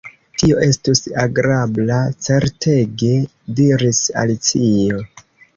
"Tio estus agrabla, certege," diris Alicio.